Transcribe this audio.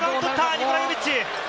ニコラ・ヨビッチ！